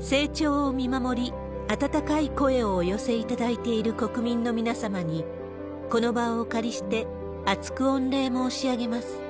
成長を見守り、温かい声をお寄せいただいている国民の皆様に、この場をお借りして厚く御礼申し上げます。